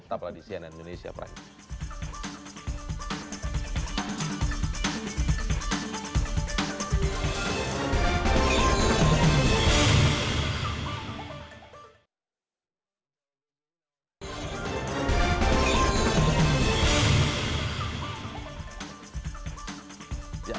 tetaplah di cnn indonesia